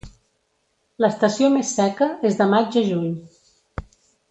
L'estació més seca és de maig a juny.